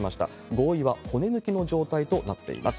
合意は骨抜きの状態となっています。